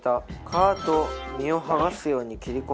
皮と身を剥がすように切り込みを入れる。